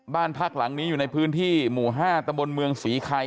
บ้านพักหลังนี้อยู่ในพื้นที่หมู่๕ตะบนเมืองศรีไข่